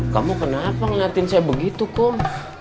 kamu kenapa ngeliatin saya begitu kok